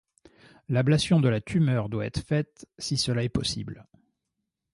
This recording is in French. L'ablation de la tumeur doit être faite si cela est possible.